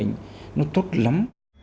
nó tốt lắm